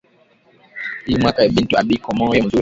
Iyi mwaka bintu abi komeye muzuri